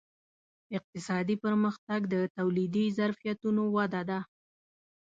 اقتصادي پرمختګ د تولیدي ظرفیتونو وده ده.